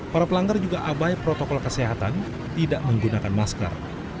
para pelanggar juga abai protokol kesehatan tidak menggunakan masker